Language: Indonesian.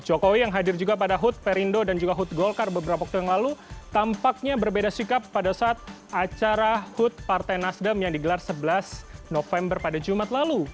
jokowi yang hadir juga pada hut perindo dan juga hud golkar beberapa waktu yang lalu tampaknya berbeda sikap pada saat acara hut partai nasdem yang digelar sebelas november pada jumat lalu